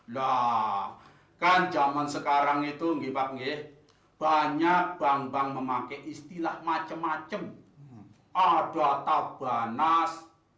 loh kan zaman sekarang itu ngibat nih banyak bangbang memakai istilah macem macem adatabanas